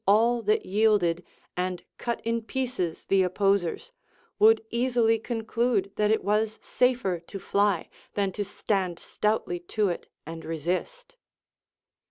425 all that yielded and cut in pieces the opposers, would easily conclude that it was safer to fly than to stand stoutly to it and resist.